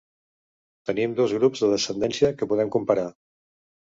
Tenim dos grups de descendència que podem comparar.